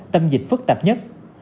tâm dịch phức tạp nhất